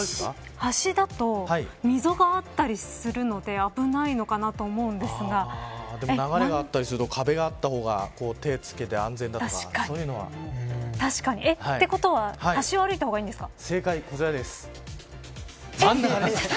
端だと溝があったりするので危ないのかなと思うんですが流れがあったりすると壁があった方が手をつけて安全だとかそういうのは確かに。ということは端を歩いた方がいいんですか。